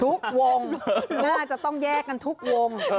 ทุกวงน่าจะต้องแยกกันทุกวง